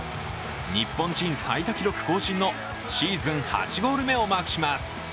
日本人最多記録更新のシーズン８ゴール目をマークします